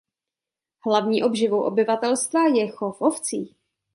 Hlavní obživou obyvatelstva je chov ovcí.